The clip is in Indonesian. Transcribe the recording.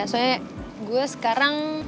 soalnya gue sekarang